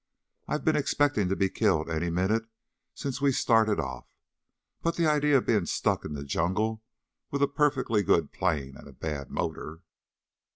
I've been expecting to be killed any minute since we started off, but the idea of being stuck in the jungle with a perfectly good plane and a bad motor...."